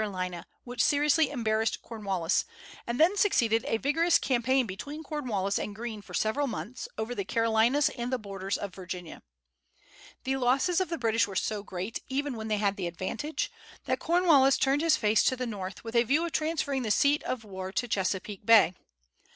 which seriously embarrassed Cornwallis; and then succeeded a vigorous campaign between Cornwallis and Greene for several months, over the Carolinas and the borders of Virginia. The losses of the British were so great, even when they had the advantage, that Cornwallis turned his face to the North, with a view of transferring the seat of war to Chesapeake Bay.